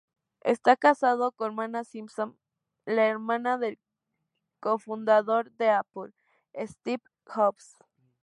Está casado con Mona Simpson, la hermana del co-fundador de Apple, Steve Jobs.